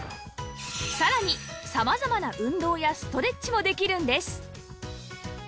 さらに様々な運動やストレッチもできるんです